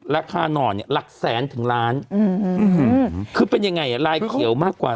หน่อเนี่ยหลักแสนถึงล้านคือเป็นยังไงลายเขียวมากกว่า